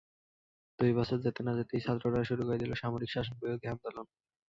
দুই বছর যেতে না-যেতেই ছাত্ররা শুরু করে দিল সামরিক শাসনবিরোধী আন্দোলন।